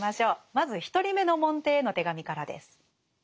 まず１人目の門弟への手紙からです。